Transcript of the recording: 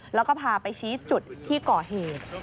แล้วก็พาไปชี้จุดที่ก่อเหตุ